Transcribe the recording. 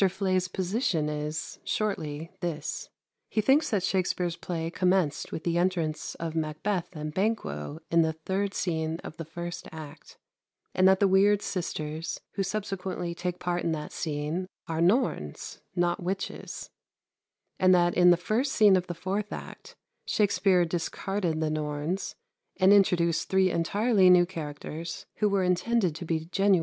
Fleay's position is, shortly, this. He thinks that Shakspere's play commenced with the entrance of Macbeth and Banquo in the third scene of the first act, and that the weird sisters who subsequently take part in that scene are Norns, not witches; and that in the first scene of the fourth act, Shakspere discarded the Norns, and introduced three entirely new characters, who were intended to be genuine witches.